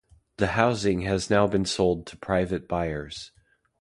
The housing has now been sold to private buyers.